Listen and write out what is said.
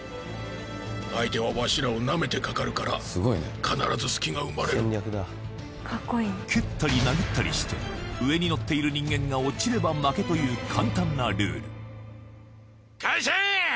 相手はわしらをなめてかかるから必ず隙が生まれる蹴ったり殴ったりして上に乗っている人間が落ちれば負けという簡単なルール・開始！